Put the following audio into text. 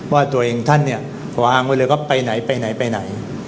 ว่าตัวเองท่านเนี่ยวางไว้เลยว่าไปไหนไปไหนไปไหน